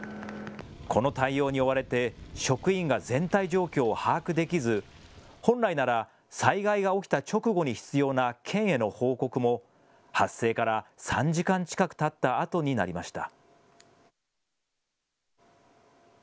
この対応に追われて職員が全体状況を把握できず、本来なら災害が起きた直後に必要な県への報告も発生から３時間近くたったあとになりました。